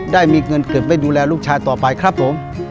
ได้มีเงินเก็บไว้ดูแลลูกชายต่อไปครับผม